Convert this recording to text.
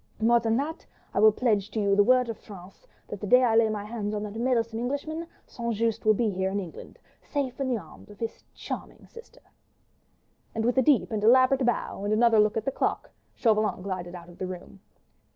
More than that, I will pledge you the word of France, that the day I lay hands on that meddlesome Englishman, St. Just will be here in England, safe in the arms of his charming sister." And with a deep and elaborate bow and another look at the clock, Chauvelin glided out of the room.